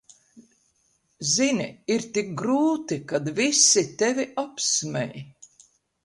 Zini, ir tik grūti, kad visi tevi apsmej.